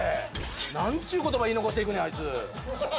なんちゅう言葉言い残していくねんあいつ。